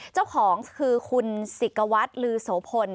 เจ้าของคือคุณศิกวัตรลือโสพล